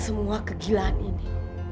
kamu kembunyikan angkanya